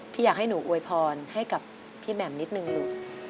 อยากให้หนูอวยพรให้กับพี่แหม่มนิดนึงลูก